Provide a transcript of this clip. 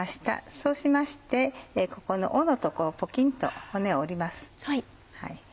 そうしましてここの尾の所ポキンと骨を折ります。